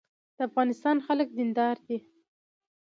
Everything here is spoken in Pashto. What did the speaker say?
د افغانستان خلک دیندار دي